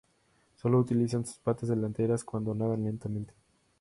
Sólo utilizan sus patas delanteras cuando nadan lentamente.